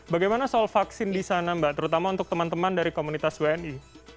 bagaimana soal vaksin di sana mbak terutama untuk teman teman dari komunitas wni